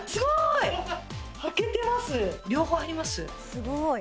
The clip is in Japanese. すごい！